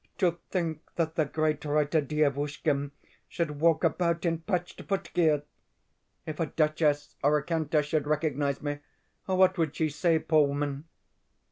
To think that the great writer Dievushkin should walk about in patched footgear! If a duchess or a countess should recognise me, what would she say, poor woman?